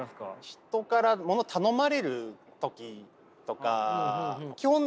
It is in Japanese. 人からものを頼まれる時とか基本